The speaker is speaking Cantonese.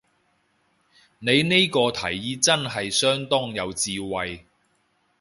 你呢個提議真係相當有智慧